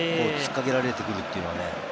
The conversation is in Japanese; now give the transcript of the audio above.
つっかけられてくるというのは。